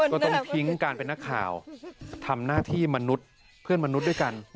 ก็ต้องทิ้งการเป็นนักข่าวทำหน้าที่มนุษย์เพื่อนมนุษย์ด้วยกัน